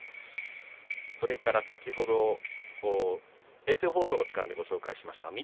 それから先ほどの衛星放送の時間でご紹介しました。